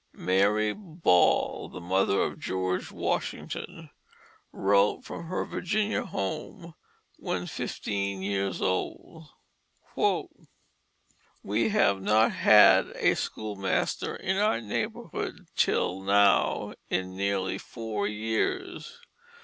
Mary Ball, the mother of George Washington, wrote from her Virginia home when fifteen years old: "We have not had a schoolmaster in our neighborhood till now in nearly four years.